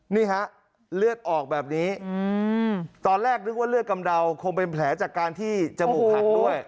นี่ฮะเลือดออกแบบนี้ตอนแรกนึกว่าเลือดกำเดาคงเป็นแผลจากการที่จมูกหักด้วย